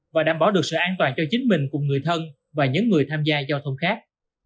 và đảm bảo được sự an toàn cho chính mình cùng người thân và những người tham gia giao thông khác